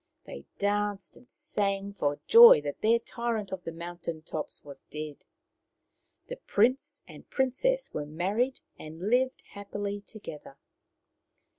They danced and sang for joy that their tyrant of the mountain tops was dead. The prince and princess were married and lived happily together.